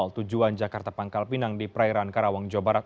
tujuan jakarta pangkal pinang di perairan karawang jawa barat